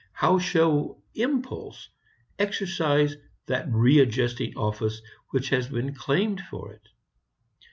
How shall impulse exercise that re adjusting office which has been claimed for it?